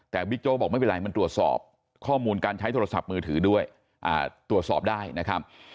แต่บิ๊กโจ๊กบอกไม่เป็นไรมันตรวจสอบข้อมูลการใช้โทรศัพท์มือถือด้วยตรวจสอบได้นะครับ